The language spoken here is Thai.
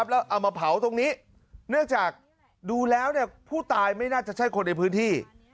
แล้วเอามาเผาตรงนี้เนื่องจากดูแล้วผู้ตายไม่น่าจะใช่คนในพื้นที่